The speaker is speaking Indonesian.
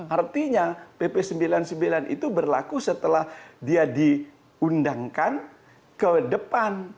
artinya pp sembilan puluh sembilan itu berlaku setelah dia diundangkan ke depan